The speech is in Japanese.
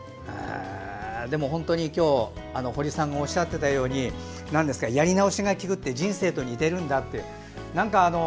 でも本当に今日堀さんがおっしゃってたようにやり直しがきくって人生と似ているんだって